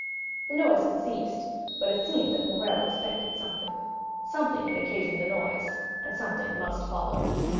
The noise had ceased; but it seemed that Morrel expected something—something had occasioned the noise, and something must follow.